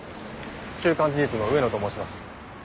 「週刊事実」の上野と申します。